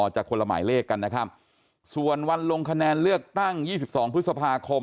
จะคนละหมายเลขกันนะครับส่วนวันลงคะแนนเลือกตั้ง๒๒พฤษภาคม